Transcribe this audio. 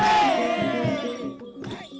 maunya setiap tahun